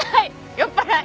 酔っ払い！